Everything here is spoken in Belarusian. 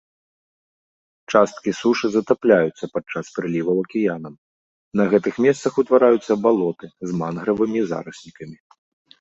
Часткі сушы затапляюцца падчас прыліваў акіянам, на гэтых месцах утвараюцца балоты з мангравымі зараснікамі.